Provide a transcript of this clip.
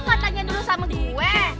lo gak tanya dulu sama gue